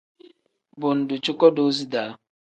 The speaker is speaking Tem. Bo ngdu cuko doozi da.